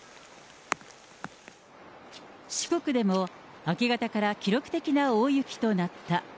四国でも、明け方から記録的な大雪となった。